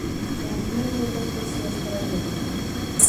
Envie as outras pessoas para dentro.